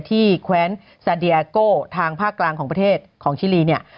แคว้นซาเดียโก้ทางภาคกลางของประเทศของชิลีเนี่ย